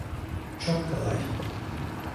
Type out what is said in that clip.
Çok kolay.